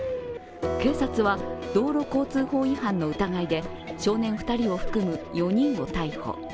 警察は、道路交通法違反の疑いで少年２人を含む４人を逮捕。